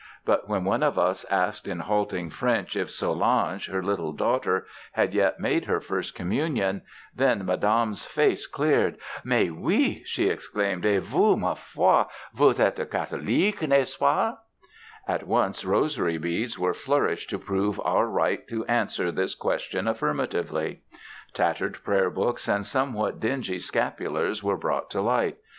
But when one of us asked in halting French if Solange, her little daughter, had yet made her First Communion, then Madame's face cleared. "Mais oui!" she exclaimed, "Et vous, ma foi, vous êtes Catholiques, n'est ce pas?" At once rosary beads were flourished to prove our right to answer this question affirmatively. Tattered prayer books and somewhat dingy scapulars were brought to light.